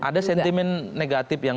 ada sentimen negatif yang